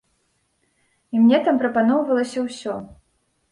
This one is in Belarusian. І мне там прапаноўвалася ўсё.